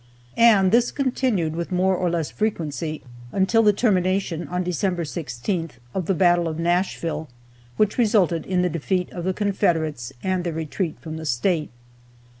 And this continued, with more or less frequency, until the termination, on December 16th, of the battle of Nashville, which resulted in the defeat of the Confederates, and their retreat from the State.